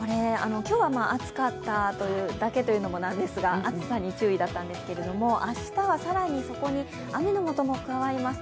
今日は暑かっただけというのもなんですが暑さに注意だったんですが、明日は更にそこに雨のもとも加わります。